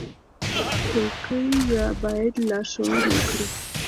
ښوونکي باید لارښوونه وکړي.